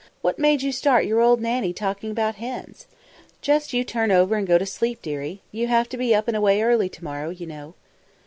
what made you start your old Nannie talking about hens? Just you turn over and go to sleep, dearie. You have to be up and away early to morrow, you know!"